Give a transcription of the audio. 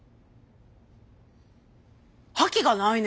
覇気がないね。